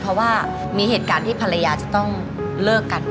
เพราะว่ามีเหตุการณ์ที่ภรรยาจะต้องเลิกกัน